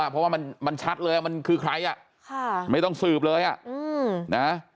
เพราะว่ามันชัดเลยว่ามันคือใครอ่ะค่ะไม่ต้องสืบเลยอ่ะนะ